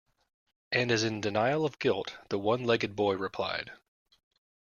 And as in denial of guilt, the one-legged boy replied.